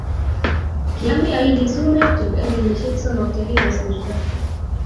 kiami aili sumek chuk eng' kenyishek somok che kikosirto